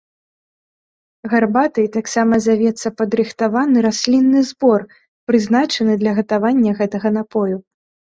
Гарбатай таксама завецца падрыхтаваны раслінны збор, прызначаны для гатавання гэтага напою.